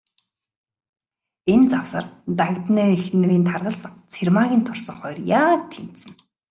Энэ завсар, Дагданы эхнэрийн таргалсан, Цэрмаагийн турсан хоёр яг тэнцэнэ.